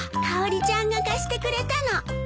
かおりちゃんが貸してくれたの。